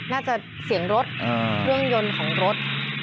น่าจะเสียงรถเรื่องยนต์ของรถ